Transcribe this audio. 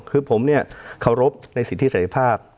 คือผมเนี่ยเคารพในสิทธิเสร็จภาพ